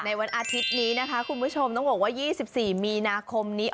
วันอาทิตย์นี้นะคะคุณผู้ชมต้องบอกว่า๒๔มีนาคมนี้